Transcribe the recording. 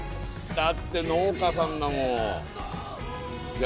だって農家さんだもんいや